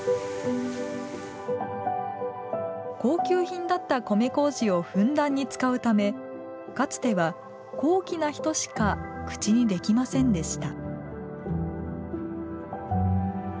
高級品だった米こうじをふんだんに使うためかつては高貴な人しか口にできませんでした。